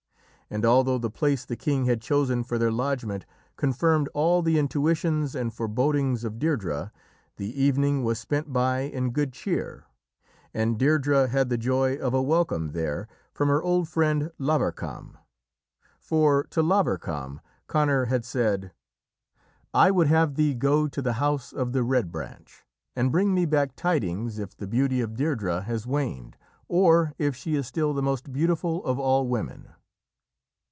And although the place the king had chosen for their lodgment confirmed all the intuitions and forebodings of Deirdrê, the evening was spent by in good cheer, and Deirdrê had the joy of a welcome there from her old friend Lavarcam. For to Lavarcam Conor had said: "I would have thee go to the House of the Red Branch and bring me back tidings if the beauty of Deirdrê has waned, or if she is still the most beautiful of all women."